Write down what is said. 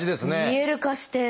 見える化して。